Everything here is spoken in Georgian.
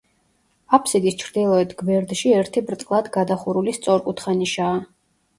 აფსიდის ჩრდილოეთ გვერდში ერთი ბრტყლად გადახურული სწორკუთხა ნიშაა.